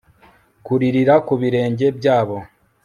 Kuririra ku birenge byabo